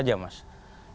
jadi simpel saja mas